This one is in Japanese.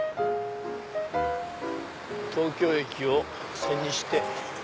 東京駅を背にして。